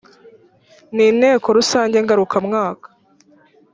n inteko rusange ngarukamwaka